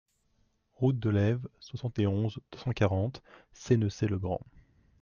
Route de Laives, soixante et onze, deux cent quarante Sennecey-le-Grand